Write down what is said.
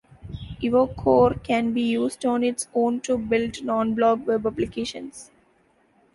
EvoCore can be used on its own to build non-blog web applications.